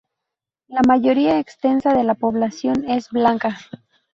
La mayoría extensa de la población es blanca.